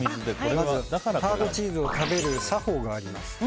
まずハードチーズを食べる作法があります。